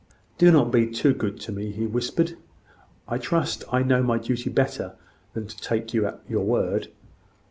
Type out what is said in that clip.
"Do not be too good to me," whispered he. "I trust. I know my duty better than to take you at your word.